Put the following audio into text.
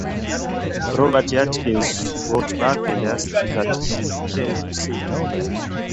Robert Atkins wrote back and asked that she come to see him.